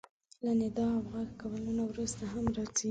له ندا او غږ کولو نه وروسته هم راځي.